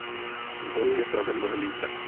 Sborů je v Praze mnohem více.